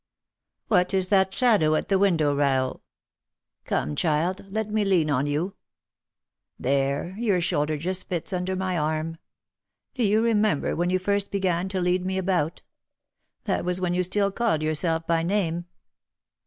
"What is that shadow at the window, Rahel? Come, child, let me lean on you. There, your shoulder just fits under my arm. Do you remember when you first began to lead me about? That was when you still called yourself by name."